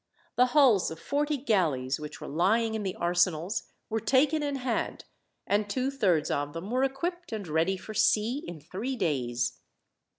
The hulls of forty galleys, which were lying in the arsenals, were taken in hand, and two thirds of them were equipped and ready for sea in three days.